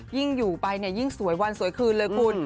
ยิ่งอยู่ไปเนี่ยยิ่งสวยวันสวยคืนเลยคุณ